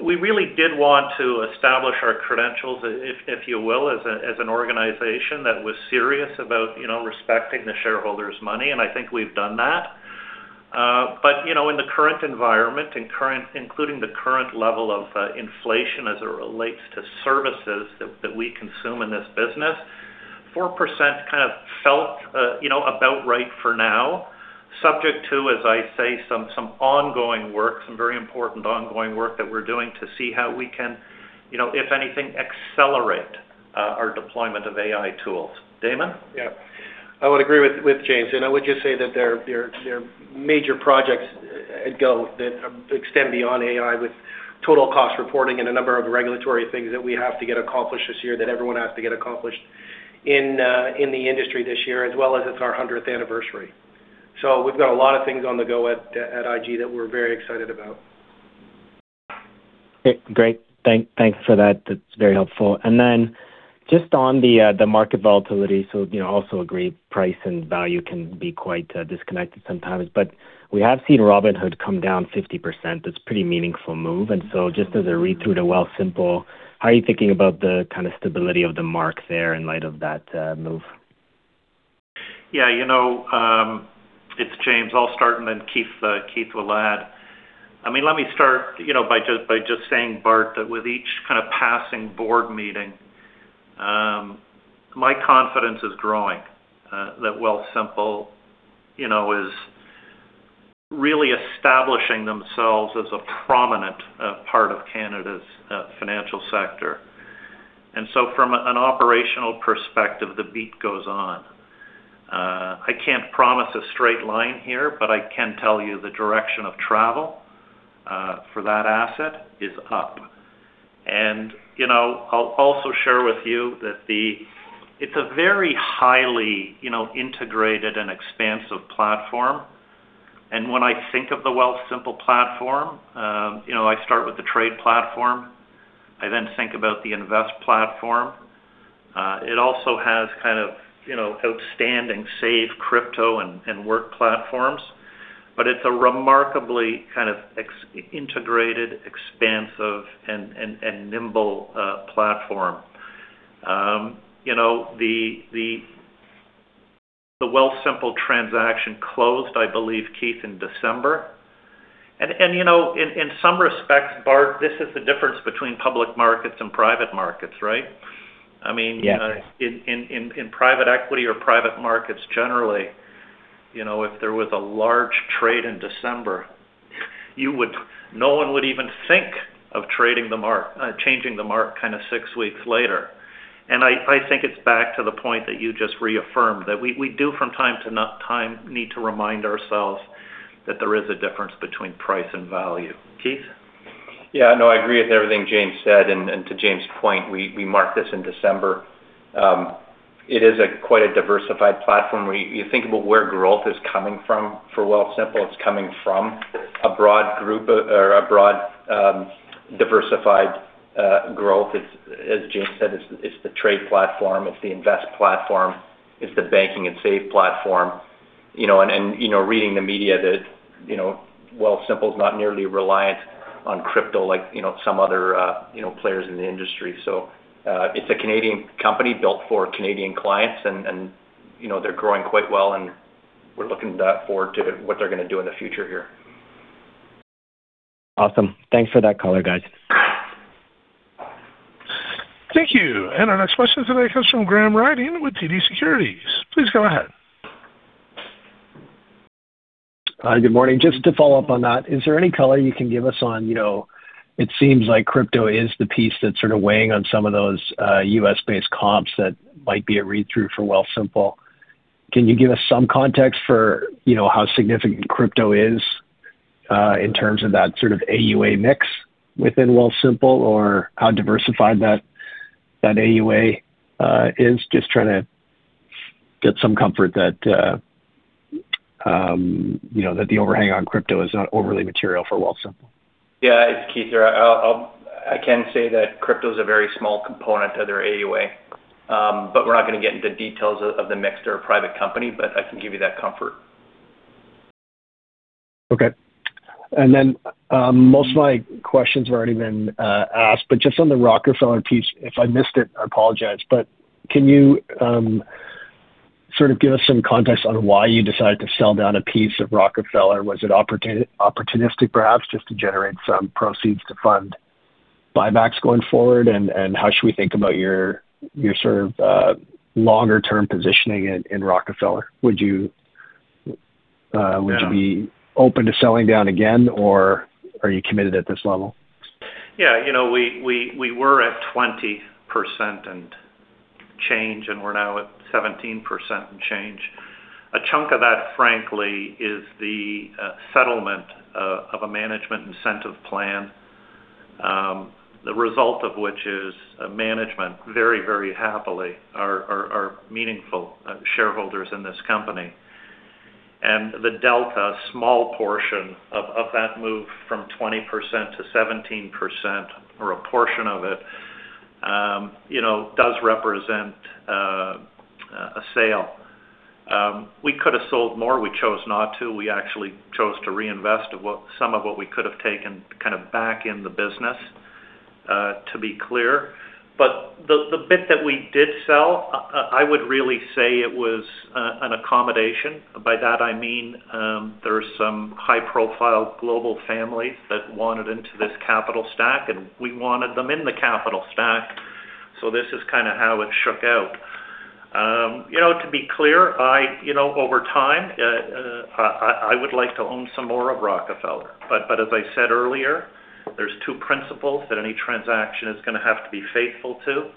Speaker 3: We really did want to establish our credentials, if, if you will, as a, as an organization that was serious about, you know, respecting the shareholders' money, and I think we've done that. But, you know, in the current environment including the current level of inflation as it relates to services that we consume in this business, 4% kind of felt, you know, about right for now, subject to, as I say, some ongoing work, some very important ongoing work that we're doing to see how we can, you know, if anything, accelerate our deployment of AI tools. Damon?
Speaker 4: Yeah. I would agree with James, and I would just say that there are major projects on the go that extend beyond AI, with total cost reporting and a number of regulatory things that we have to get accomplished this year, that everyone has to get accomplished in the industry this year, as well as it's our hundredth anniversary. So we've got a lot of things on the go at IG that we're very excited about.
Speaker 9: Okay, great. Thank, thanks for that. That's very helpful. And then just on the, the market volatility. So, you know, also agree, price and value can be quite, disconnected sometimes. But we have seen Robinhood come down 50%. That's a pretty meaningful move. And so just as a read-through to Wealthsimple, how are you thinking about the kind of stability of the mark there in light of that, move?
Speaker 3: Yeah, you know, it's James. I'll start, and then Keith, Keith will add. I mean, let me start, you know, by just, by just saying, Bart, that with each kind of passing board meeting, my confidence is growing, that Wealthsimple, you know, is really establishing themselves as a prominent, part of Canada's, financial sector. And so from an operational perspective, the beat goes on. I can't promise a straight line here, but I can tell you the direction of travel, for that asset is up. And, you know, I'll also share with you that the... It's a very highly, you know, integrated and expansive platform. And when I think of the Wealthsimple platform, you know, I start with the trade platform. I then think about the invest platform. It also has kind of, you know, outstanding savings, crypto, and work platforms, but it's a remarkably kind of exceptionally integrated, expansive, and nimble platform. You know, the Wealthsimple transaction closed, I believe, Keith, in December. And you know, in some respects, Bart, this is the difference between public markets and private markets, right?
Speaker 9: Yes.
Speaker 3: I mean, in private equity or private markets, generally, you know, if there was a large trade in December, you would—no one would even think of trading the mark, changing the mark kind of six weeks later. I think it's back to the point that you just reaffirmed, that we do, from time to not time, need to remind ourselves that there is a difference between price and value. Keith?
Speaker 6: Yeah, no, I agree with everything James said, and, and to James' point, we, we marked this in December. It is quite a diversified platform, where you think about where growth is coming from for Wealthsimple, it's coming from a broad, diversified growth. It's, as James said, it's, it's the trade platform, it's the invest platform, it's the banking and save platform. You know, and, and, you know, reading the media that, you know, Wealthsimple is not nearly reliant on crypto, like, you know, some other, you know, players in the industry. So, it's a Canadian company built for Canadian clients and, and, you know, they're growing quite well, and we're looking that forward to what they're gonna do in the future here.
Speaker 9: Awesome. Thanks for that color, guys.
Speaker 1: Thank you. And our next question today comes from Graham Ryding with TD Securities. Please go ahead.
Speaker 10: Hi, good morning. Just to follow up on that, is there any color you can give us on... You know, it seems like crypto is the piece that's sort of weighing on some of those, U.S.-based comps that might be a read-through for Wealthsimple. Can you give us some context for, you know, how significant crypto is, in terms of that sort of AUA mix within Wealthsimple, or how diversified that, that AUA, is? Just trying to get some comfort that, you know, that the overhang on crypto is not overly material for Wealthsimple.
Speaker 6: Yeah, it's Keith here. I can say that crypto is a very small component of their AUA, but we're not going to get into details of the mix. They're a private company, but I can give you that comfort.
Speaker 10: Okay. And then, most of my questions have already been asked, but just on the Rockefeller piece, if I missed it, I apologize. But can you sort of give us some context on why you decided to sell down a piece of Rockefeller? Was it opportunistic, perhaps, just to generate some proceeds to fund buybacks going forward? And how should we think about your sort of longer-term positioning in Rockefeller? Would you
Speaker 6: Yeah...
Speaker 10: would you be open to selling down again, or are you committed at this level?
Speaker 3: Yeah, you know, we were at 20% and change, and we're now at 17% and change. A chunk of that, frankly, is the settlement of a management incentive plan. The result of which is management, very, very happily are meaningful shareholders in this company. And the delta, small portion of that move from 20% to 17% or a portion of it, you know, does represent a sale. We could have sold more. We chose not to. We actually chose to reinvest what, some of what we could have taken, kind of back in the business, to be clear. But the bit that we did sell, I would really say it was an accommodation. By that, I mean, there's some high-profile global families that wanted into this capital stack, and we wanted them in the capital stack. So this is kind of how it shook out. You know, to be clear, I. You know, over time, I would like to own some more of Rockefeller. But as I said earlier, there's two principles that any transaction is going to have to be faithful to.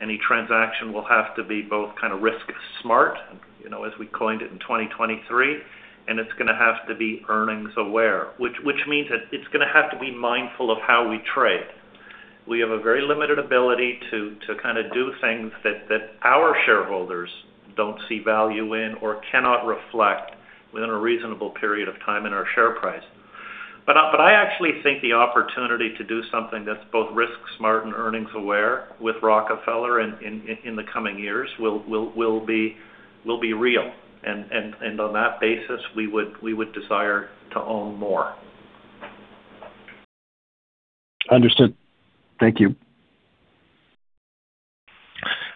Speaker 3: Any transaction will have to be both kind of risk-smart, you know, as we coined it in 2023, and it's going to have to be earnings aware. Which means that it's going to have to be mindful of how we trade. We have a very limited ability to kind of do things that our shareholders don't see value in or cannot reflect within a reasonable period of time in our share price. But I actually think the opportunity to do something that's both risk-smart and earnings-aware with Rockefeller in the coming years will be real. And on that basis, we would desire to own more.
Speaker 10: Understood. Thank you.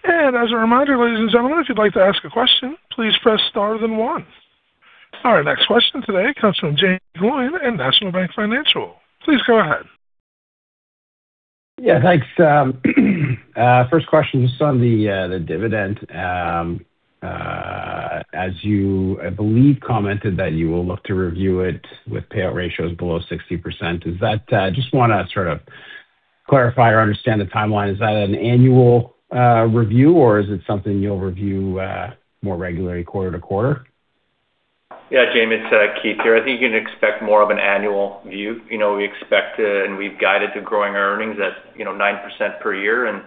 Speaker 1: As a reminder, ladies and gentlemen, if you'd like to ask a question, please press star, then one. Our next question today comes from Jaeme Gloyn in National Bank Financial. Please go ahead.
Speaker 11: Yeah, thanks. First question, just on the dividend. As you, I believe, commented that you will look to review it with payout ratios below 60%. Is that just want to sort of clarify or understand the timeline. Is that an annual review, or is it something you'll review more regularly, quarter to quarter?
Speaker 6: Yeah, Jamie, it's Keith here. I think you can expect more of an annual view. You know, we expect to, and we've guided to growing earnings at, you know, 9% per year. And,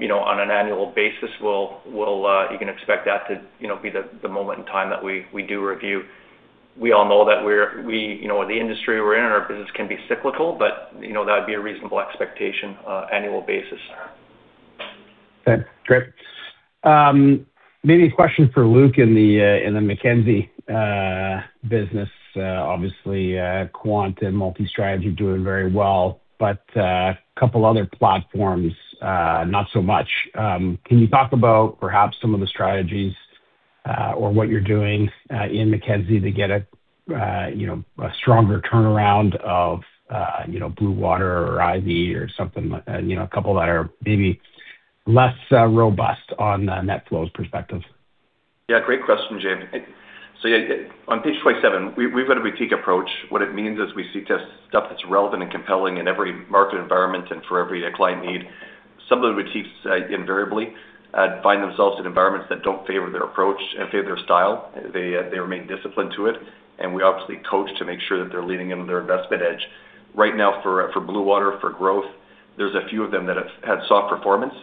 Speaker 6: you know, on an annual basis, we'll, we'll, you can expect that to, you know, be the, the moment in time that we, we do review. We all know that we're, we, you know, the industry we're in, our business can be cyclical, but, you know, that would be a reasonable expectation, annual basis.
Speaker 11: Okay, great. Maybe a question for Luke in the Mackenzie business. Obviously, quant and multi-strategy doing very well, but a couple of other platforms not so much. Can you talk about perhaps some of the strategies or what you're doing in Mackenzie to get a, you know, a stronger turnaround of, you know, Bluewater or Ivy or something like, you know, a couple that are maybe less robust on the net flows perspective?
Speaker 5: Yeah, great question, Jaeme. So yeah, on page 27, we've got a boutique approach. What it means is we seek to stuff that's relevant and compelling in every market environment and for every client need. Some of the boutiques invariably find themselves in environments that don't favor their approach and favor their style. They remain disciplined to it, and we obviously coach to make sure that they're leaning into their investment edge. Right now, for Bluewater, for growth, there's a few of them that have had soft performance,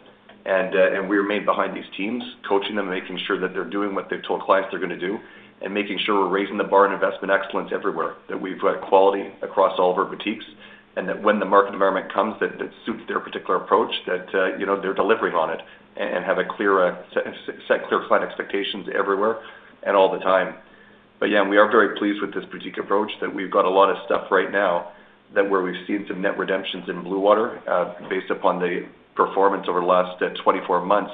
Speaker 5: and we remain behind these teams, coaching them and making sure that they're doing what they've told clients they're going to do, and making sure we're raising the bar in investment excellence everywhere. That we've got quality across all of our boutiques, and that when the market environment comes, that it suits their particular approach, that, you know, they're delivering on it, and have a clear, set clear client expectations everywhere and all the time. But yeah, we are very pleased with this boutique approach, that we've got a lot of stuff right now that where we've seen some net redemptions in Bluewater, based upon the performance over the last 24 months.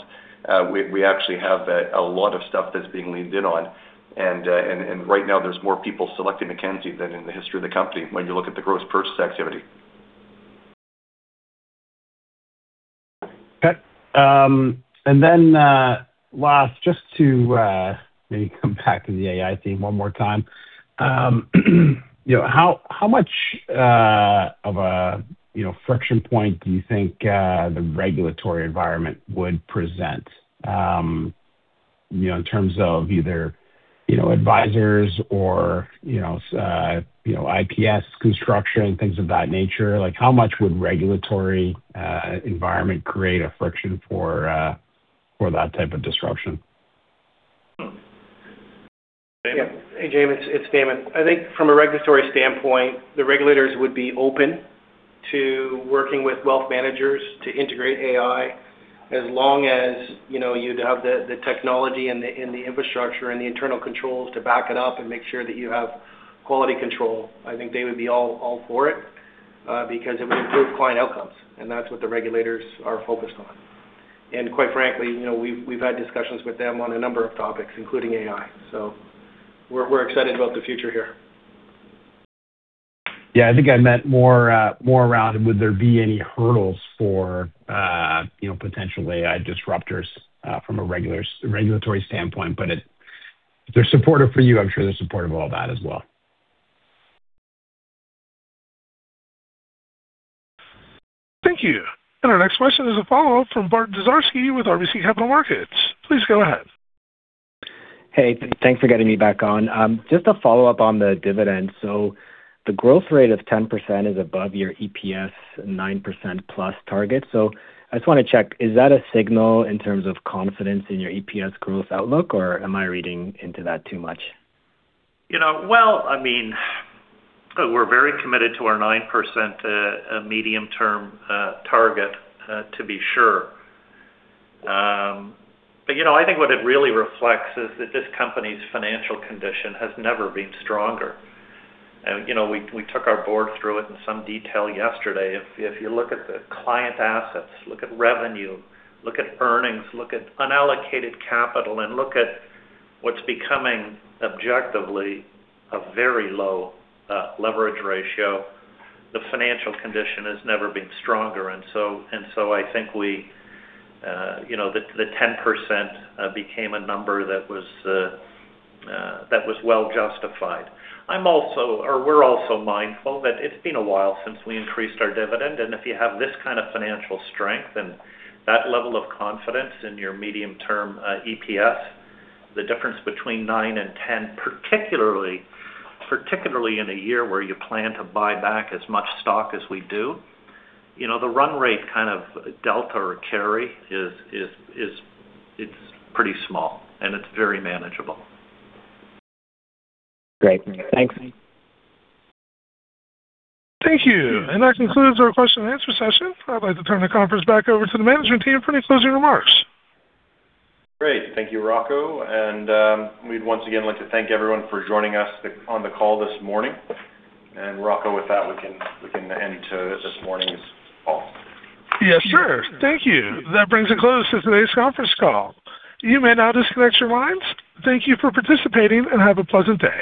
Speaker 5: We actually have a lot of stuff that's being leaned in on, and right now there's more people selecting Mackenzie than in the history of the company when you look at the gross purchase activity.
Speaker 11: Okay, and then, last, just to, maybe come back to the AI theme one more time. You know, how much of a, you know, friction point do you think the regulatory environment would present? You know, in terms of either, you know, advisors or, you know, IPS construction, things of that nature. Like, how much would regulatory environment create a friction for that type of disruption?
Speaker 4: Yeah. Hey, Jaeme, it's Damon. I think from a regulatory standpoint, the regulators would be open to working with wealth managers to integrate AI, as long as, you know, you'd have the technology and the infrastructure and the internal controls to back it up and make sure that you have quality control. I think they would be all for it, because it would improve client outcomes, and that's what the regulators are focused on. And quite frankly, you know, we've had discussions with them on a number of topics, including AI. So we're excited about the future here.
Speaker 11: Yeah, I think I meant more around would there be any hurdles for, you know, potential AI disruptors from a regulatory standpoint, but it-
Speaker 3: If they're supportive for you, I'm sure they're supportive of all that as well.
Speaker 1: Thank you. And our next question is a follow-up from Bart Dziarski with RBC Capital Markets. Please go ahead.
Speaker 9: Hey, thanks for getting me back on. Just a follow-up on the dividend. The growth rate of 10% is above your EPS 9%+ target. So I just want to check, is that a signal in terms of confidence in your EPS growth outlook, or am I reading into that too much?
Speaker 3: You know, well, I mean, we're very committed to our 9%, medium-term, target, to be sure. But, you know, I think what it really reflects is that this company's financial condition has never been stronger. And, you know, we took our board through it in some detail yesterday. If you look at the client assets, look at revenue, look at earnings, look at unallocated capital, and look at what's becoming objectively a very low, leverage ratio, the financial condition has never been stronger. And so, and so I think we, you know, the 10% became a number that was, that was well justified. I'm also, or we're also mindful that it's been a while since we increased our dividend, and if you have this kind of financial strength and that level of confidence in your medium-term, EPS, the difference between nine and 10, particularly, in a year where you plan to buy back as much stock as we do, you know, the run rate kind of delta or carry is—it's pretty small, and it's very manageable.
Speaker 9: Great. Thanks.
Speaker 1: Thank you. That concludes our question-and-answer session. I'd like to turn the conference back over to the management team for any closing remarks.
Speaker 3: Great. Thank you, Rocco. And we'd once again like to thank everyone for joining us on the call this morning. And Rocco, with that, we can end this morning's call.
Speaker 1: Yeah, sure. Thank you. That brings a close to today's conference call. You may now disconnect your lines. Thank you for participating, and have a pleasant day.